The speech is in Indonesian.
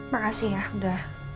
makasih ya udah